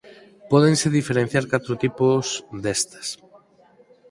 Pódense diferenciar catro tipos destas.